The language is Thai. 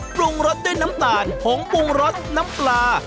ปรุงรสด้วยน้ำตาลผงปรุงรสน้ำปลา